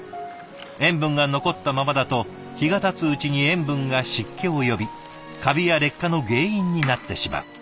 塩分が残ったままだと日がたつうちに塩分が湿気を呼びカビや劣化の原因になってしまう。